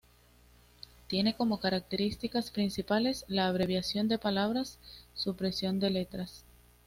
Tiene como características principales la abreviación de palabras, supresión de letras...